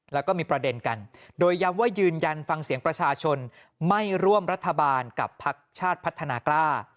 แล้วก็มีประเด็นกันโดยย้ำว่ายืนยันฟังเสียงประชาชนไม่ร่วมรัฐบาลกับพักชาติพัฒนากล้า